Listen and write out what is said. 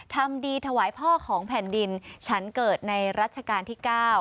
ทำดีถวายพ่อของแผ่นดินฉันเกิดในรัชกาลที่๙